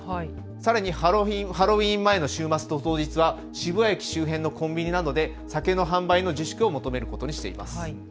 さらにハロウィーン前の週末と当日は渋谷駅周辺のコンビニなどで酒の販売の自粛を求めることにしています。